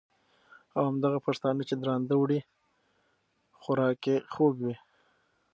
او همدغه پښتانه، چې درانده وړي خوراک یې ځوز وي،